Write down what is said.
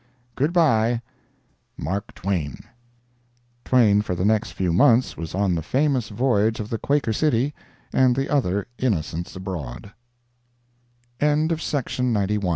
Good bye, MARK TWAIN. [Twain for the next few months was on the famous voyage of the Quaker City and the other Innocents Abroad] Alta California, January 8,